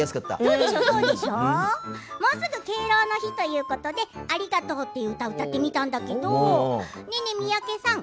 もうすぐ敬老の日ということで「ありがとう」っていう歌歌ってみたんだけどねえねえ、三宅さん。